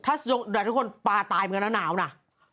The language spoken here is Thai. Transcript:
ถ้าส่งปลาตายไหมหนาวน่ะ